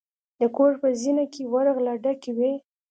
د کور په زینه کې ورغله ډکې وې.